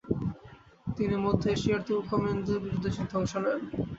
তিনি মধ্য এশিয়ার তুর্কমেনদের বিরুদ্ধে যুদ্ধে অংশ নেন।